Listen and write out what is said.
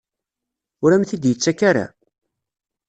Ur am-t-id-yettak ara?